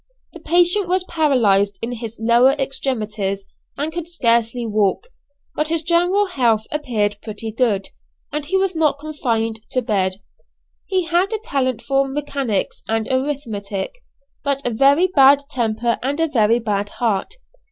The patient was paralysed in his lower extremities and could scarcely walk, but his general health appeared pretty good, and he was not confined to bed. He had a talent for mechanics and arithmetic, but a very bad temper and a very bad heart.